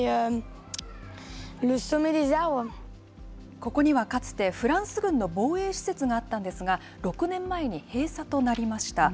ここにはかつてフランス軍の防衛施設があったんですが、６年前に閉鎖となりました。